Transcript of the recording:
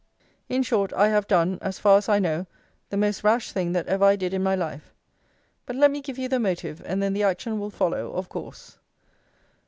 In short, I have done, as far as I know, the most rash thing that ever I did in my life. But let me give you the motive, and then the action will follow of course.